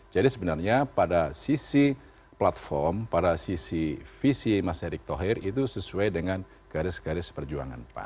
jadi sebenarnya pada sisi platform pada sisi visi mas erik thohir itu sesuai dengan garis garis perjuangan pak